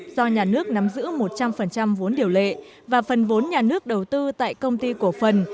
do nhà nước nắm giữ một trăm linh vốn điều lệ và phần vốn nhà nước đầu tư tại công ty cổ phần